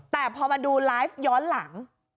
แต่พอมาดูไลฟ์ย้อนหลัง